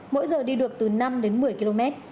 mỗi giờ đi được từ năm đến một mươi km